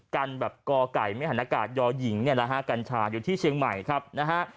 กันแบบกไก่ไม่หันอากาศยหญิงเนี่ยนะฮะกัญชาอยู่ที่เชียงใหม่ครับนะฮะ